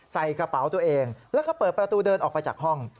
ใส่กระเป๋าตัวเองแล้วก็เปิดประตูเดินออกไปจากห้อง